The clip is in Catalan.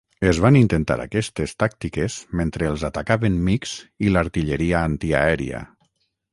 Es van intentar aquestes tàctiques mentre els atacaven MiGs i l'artilleria antiaèria.